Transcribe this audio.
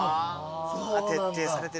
徹底されてる。